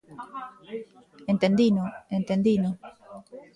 Entendino, entendino.